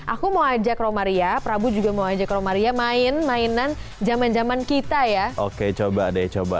aku mau ajak romaria prabu juga mau ajak romaria main mainan zaman zaman kita ya oke coba deh coba